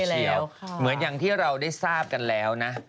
แล้วเหมือนอย่างที่เราได้ทราบกันแล้วนะ